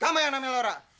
kamu yang namanya lora